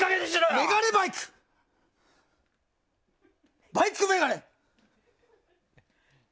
眼鏡バイク、バイク眼鏡！